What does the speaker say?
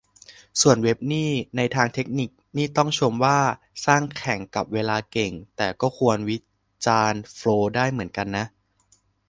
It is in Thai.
ส่วนเว็บนี่ ในทางเทคนิคนี่ต้องชมว่าสร้างแข่งกับเวลาเก่ง แต่ก็ควรวิจารณ์โฟลวได้เหมือนกันนะ